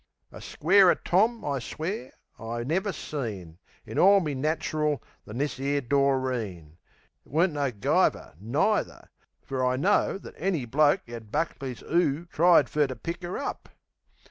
A squarer tom, I swear, I never seen, In all me natchril, than this 'ere Doreen. It wer'n't no guyver neither; fer I knoo That any other bloke 'ad Buckley's 'oo Tried fer to pick 'er up.